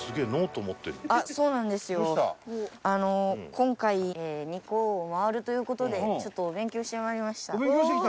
今回日光を回るという事でちょっと勉強して参りました。